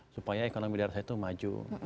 supaya ekonomi daerah saya itu maju